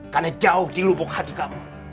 karena jauh di lubuk hati kamu